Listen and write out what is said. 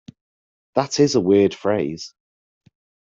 That is a weird phrase.